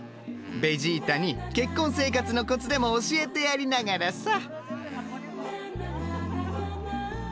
ベジータに結婚生活のコツでも教えてやりながらさ。